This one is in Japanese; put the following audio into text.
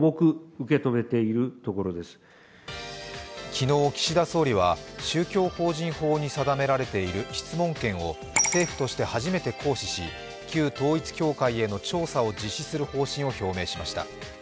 昨日、岸田総理は宗教法人法に定められている質問権を政府として初めて行使し、旧統一教会への調査を実施する方針を表明しました。